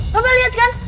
bapak lihat kan